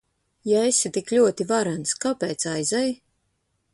Ja esi tik ļoti varens, kāpēc aizej?